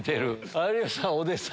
有吉さん